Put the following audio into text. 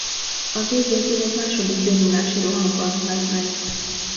Az év végén egy második bénulási rohamban halt meg.